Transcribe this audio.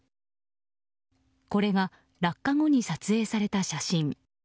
これが落下後に撮影された写真。